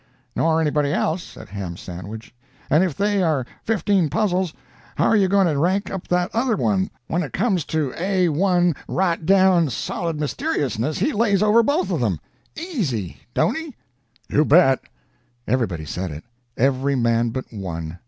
"Nor anybody else," said Ham Sandwich; "and if they are 15 puzzles how are you going to rank up that other one? When it comes to A 1 right down solid mysteriousness, he lays over both of them. Easy don't he?" "You bet!" Everybody said it. Every man but one.